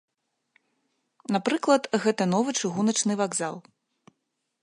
Напрыклад, гэта новы чыгуначны вакзал.